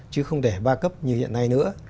chứ không để ba cấp như hiện nay nữa